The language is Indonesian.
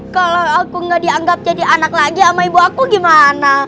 kalau aku nggak dianggap jadi anak lagi sama ibu aku gimana